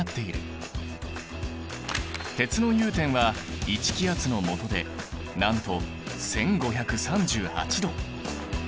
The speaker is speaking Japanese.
鉄の融点は１気圧のもとでなんと１，５３８℃！